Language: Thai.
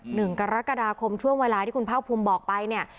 หนึ่งกรกฎาคมช่วงเวลาที่คุณภาคภูมิบอกไปเนี่ย